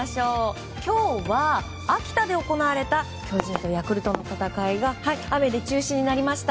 今日は、秋田で行われた巨人とヤクルトの戦いが雨で中止になりました。